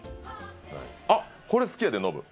あっこれ好きやでノブ。